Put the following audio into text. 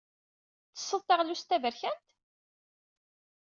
Tettesseḍ taɣlust taberkant?